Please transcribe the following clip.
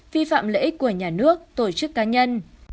vi phạm lợi ích của nhà nước tổ chức cá nhân